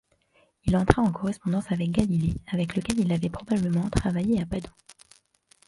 Il entra en correspondance avec Galilée avec lequel il avait probablement travaillé à Padoue.